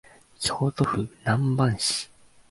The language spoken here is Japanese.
京都府南丹市